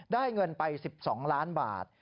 ได้เงินไป๑๒ล้านบาท